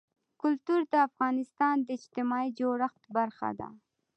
کلتور د افغانستان د اجتماعي جوړښت برخه ده.